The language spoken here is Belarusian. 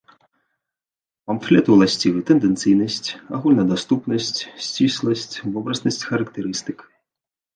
Памфлету ўласцівы тэндэнцыйнасць, агульнадаступнасць, сцісласць, вобразнасць характарыстык.